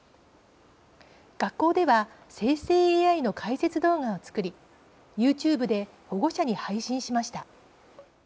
学校では生成ＡＩの解説動画を作りＹｏｕＴｕｂｅで保護者に配信しました。